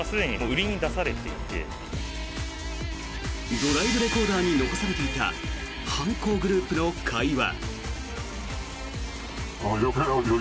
ドライブレコーダーに残されていた犯行グループの会話。